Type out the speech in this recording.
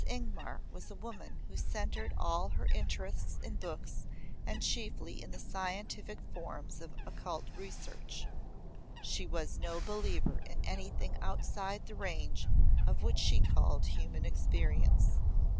Ingmar was a woman who centred all her interests in books and chiefly in the scientific forms of occult research. She was no believer in anything outside the range of what she called human experience.